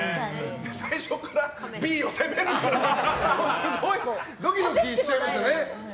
最初からＢを攻めるからすごいドキドキしちゃいましたね。